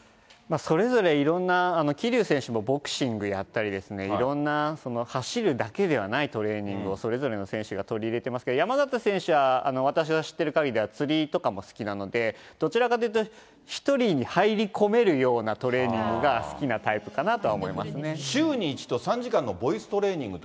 それぞれ、いろんな、桐生選手もボクシングやったりですね、いろんな走るだけではないトレーニングをそれぞれの選手が取り入れてますけど、山縣選手は私が知ってるかぎりでは釣りとかも好きなので、どちらかというと、１人に入り込めるようなトレーニングが好きなタイプ週に１度、３時間のボイストレーニングって。